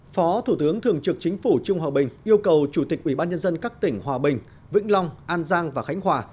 phó thủ tướng thường trực chính phủ trung hòa bình yêu cầu chủ tịch ubnd các tỉnh hòa bình vĩnh long an giang và khánh hòa